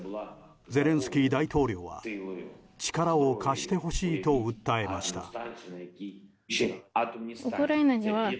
ゼレンスキー大統領は力を貸してほしいと訴えました。